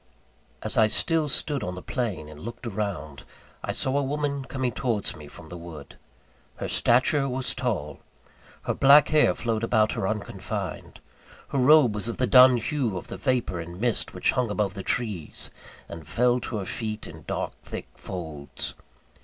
As I still stood on the plain and looked around, I saw a woman coming towards me from the wood. Her stature was tall; her black hair flowed about her unconfined; her robe was of the dun hue of the vapour and mist which hung above the trees, and fell to her feet in dark thick folds.